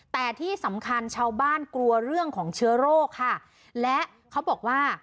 แต่ที่สำคัญชาวบ้านกลัวเรื่องของเชื้อโรคค่ะและเขาบอกว่า